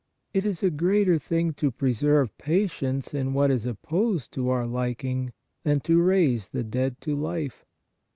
It is a greater thing to preserve patience in what is opposed to our liking than to raise the dead to life.